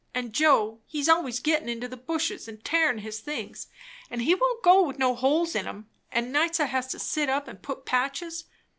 An' Joe, he's always gettin' into the bushes and tearin' his things, and he won't go with no holes in 'em; and nights I has to sit up and put patches.